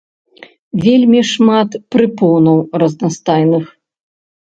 Вельмі шмат прыпонаў разнастайных.